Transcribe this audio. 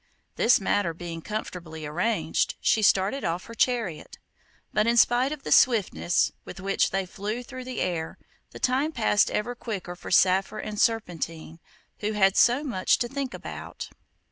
This matter being comfortably arranged, she started off her chariot. But in spite of the swiftness with which they flew through the air, the time passed even quicker for Saphir and Serpentine, who had so much to think about.